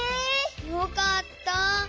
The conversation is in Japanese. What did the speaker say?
よかった。